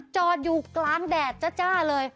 จอดอยู่กลางแดดจ้าเลย